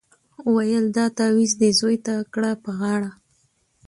ویل دا تعویذ دي زوی ته کړه په غاړه